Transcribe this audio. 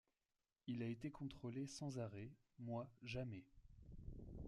Il a été contrôlé sans arrêt, moi jamais.